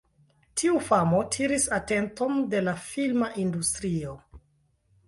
Tiu famo tiris atenton de la filma industrio.